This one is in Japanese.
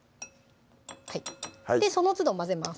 そのつど混ぜます